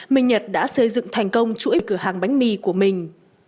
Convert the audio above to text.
minh nhật đã xây dựng thành công chuỗi cửa hàng bánh mì của mình